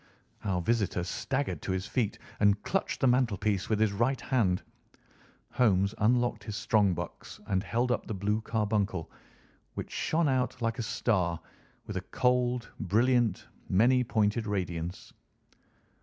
Our visitor staggered to his feet and clutched the mantelpiece with his right hand. Holmes unlocked his strong box and held up the blue carbuncle, which shone out like a star, with a cold, brilliant, many pointed radiance.